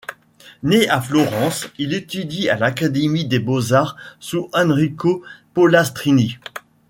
Né à Florence, il étudie à l'Académie des beaux-arts sous Enrico Pollastrini.